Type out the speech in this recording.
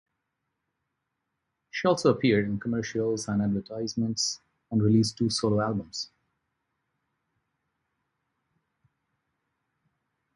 She also appeared in commercials and advertisements, and released two solo albums.